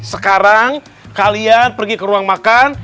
sekarang kalian pergi ke ruang makan